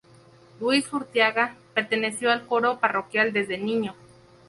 Luis Urteaga perteneció al coro parroquial desde niño.